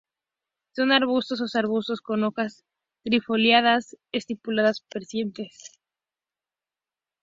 Son arbustos o subarbustos con hojas trifoliadas, estípulas persistentes.